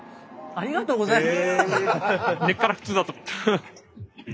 ありがとうございます。